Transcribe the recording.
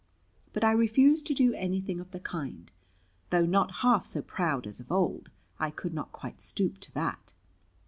But I refused to do anything of the kind. Though not half so proud as of old, I could not quite stoop to that.